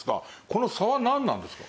この差はなんなんですか？